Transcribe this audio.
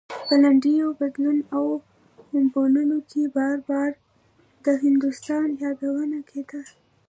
په لنډيو بدلو او بوللو کې بار بار د هندوستان يادونه کېده.